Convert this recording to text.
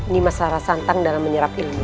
nimasara santang dalam menyerap ilmu